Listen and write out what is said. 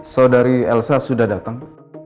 saudari elsa sudah datang